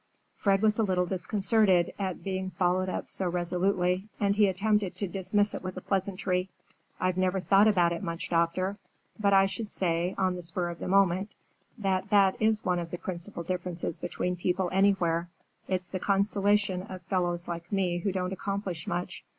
Fred was a little disconcerted at being followed up so resolutely, and he attempted to dismiss it with a pleasantry. "I've never thought much about it, doctor. But I should say, on the spur of the moment, that that is one of the principal differences between people anywhere. It's the consolation of fellows like me who don't accomplish much.